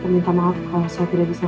minta maaf saya tidak bisa